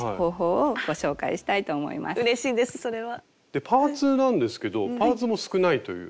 でパーツなんですけどパーツも少ないという。